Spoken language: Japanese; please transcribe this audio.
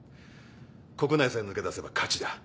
国内さえ抜け出せば勝ちだ。